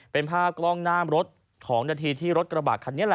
เป็นภากล้องหน้ารถของนาธิภาคที่รถกระบาดคันนี้